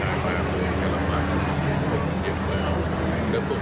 ห้าคนชายชนที่เขาพึ่งไปช่วยคนราช่างเยอะมาก